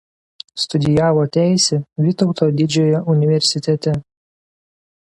Studijavo teisę Vytauto Didžiojo universitete.